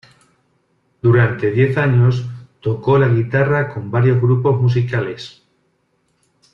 Durante diez años tocó la guitarra con varios grupos musicales.